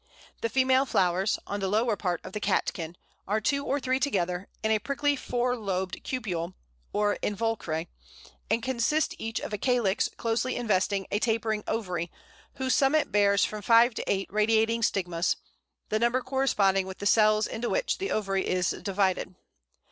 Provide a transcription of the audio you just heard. The female flowers, on the lower part of the catkin, are two or three together, in a prickly four lobed "cupule," or involucre, and consist each of a calyx closely investing a tapering ovary, whose summit bears from five to eight radiating stigmas, the number corresponding with the cells into which the ovary is divided.